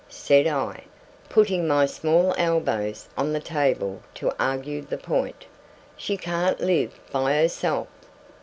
said I, putting my small elbows on the table to argue the point. 'She can't live by herself.